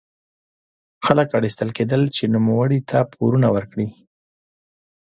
خلک اړ ایستل کېدل چې نوموړي ته پورونه ورکړي.